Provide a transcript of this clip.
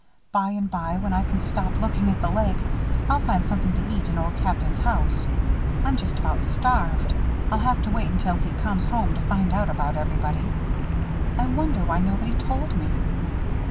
By and by, when I can stop looking at the lake, I'll find something to eat in Old Captain's house. I'm just about starved. I'll have to wait until he comes home to find out about everybody? I wonder why nobody told me."